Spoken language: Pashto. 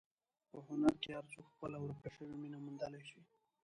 په هنر کې هر څوک خپله ورکه شوې مینه موندلی شي.